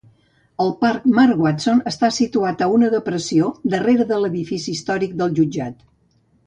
El Park Mark Watson està situat a una depressió darrere del l'edifici històric del jutjat.